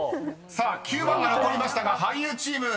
［さあ９番が残りましたが俳優チーム］